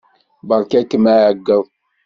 Beṛka-kem aɛeyyeḍ.